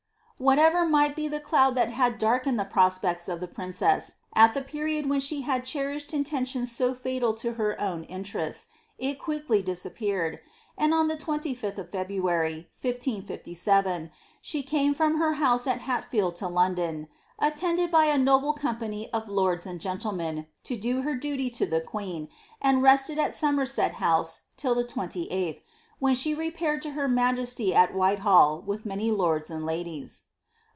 '' Whatever might be the cloud that had darkened the prospects of the princess, at the period when she had cherished intentions so fioal to her own interests, it quickly disappeared, and* on the 25th of Feb ruary, 1557, she came from her house at HaUfidd to London, ^attended by a noble company of lords and gentlemen, to do her duty to the queen, and rested at Somerset House till the 2Sth, when she repaired to her majesty at Whitehall with many lords and ladies.''